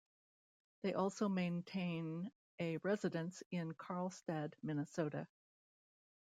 They also maintain a residence in Karlstad, Minnesota.